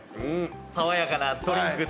爽やかなドリンク